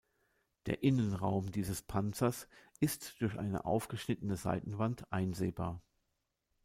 Der Innenraum dieses Panzers ist durch eine aufgeschnittene Seitenwand einsehbar.